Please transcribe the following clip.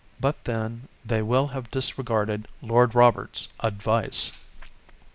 But then they will have disregarded Lord Roberts' advice.